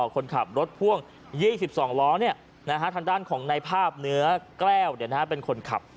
คนขับรถพ่วง๒๒ล้อทางด้านของในภาพเนื้อแก้วเป็นคนขับ